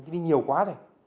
thì đi nhiều quá rồi